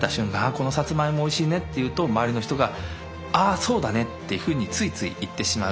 「このサツマイモおいしいね」って言うと周りの人が「ああそうだね」っていうふうについつい言ってしまう。